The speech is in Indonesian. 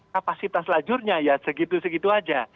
kapasitas lajurnya ya segitu segitu aja